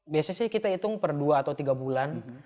biasanya sih kita hitung per dua atau tiga bulan